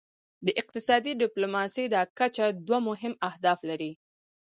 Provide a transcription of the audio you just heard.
د اقتصادي ډیپلوماسي دا کچه دوه مهم اهداف لري